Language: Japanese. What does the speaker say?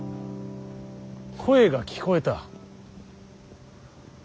声が聞こえた。